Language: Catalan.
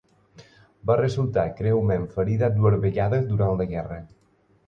Va resultar greument ferida dues vegades durant la guerra.